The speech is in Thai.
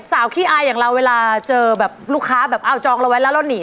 ขี้อายอย่างเราเวลาเจอแบบลูกค้าแบบเอาจองเราไว้แล้วเราหนี